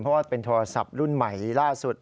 เพราะว่าเป็นโทรศัพท์รุ่นใหม่ล่าสุด